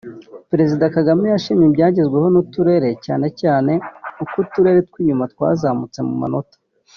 Perezida Kagame yashimye ibyagezweho n’uturere cyane cyane uko uturere tw’inyuma twazamutse mu manota